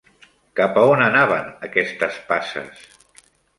Cap on anaven aquestes passes?